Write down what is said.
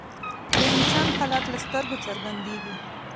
د انسان حالت له سترګو څرګندیږي